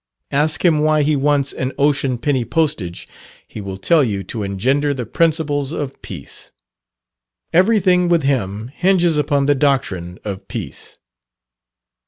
Ask him why he wants an "Ocean Penny Postage," he will tell you to engender the principles of peace. Everything with him hinges upon the doctrine of peace.